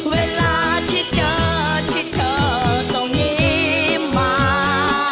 เวลาที่เจอที่เธอส่งยิ้มมา